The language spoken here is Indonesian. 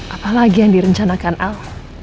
apalagi yang direncanakan al